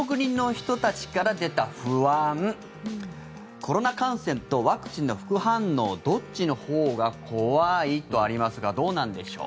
コロナ感染とワクチンの副反応どっちのほうが怖い？とありますがどうなんでしょう。